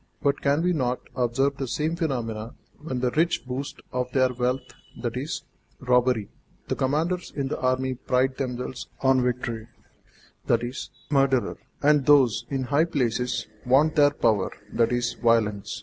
But can we not observe the same phenomenon when the rich boast of their wealth, i.e., robbery; the commanders in the army pride themselves on victories, i.e., murder; and those in high places vaunt their power, i.e., violence?